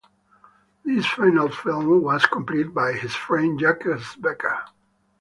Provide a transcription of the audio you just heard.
This final film was completed by his friend Jacques Becker.